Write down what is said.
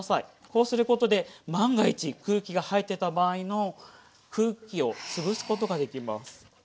こうすることで万が一空気が入ってた場合の空気を潰すことができます。